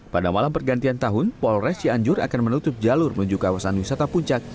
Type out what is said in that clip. pada malam pergantian tahun polres cianjur akan menutup jalur menuju kawasan wisata puncak